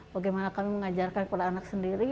bagaimana kami mengajarkan kepada anak sendiri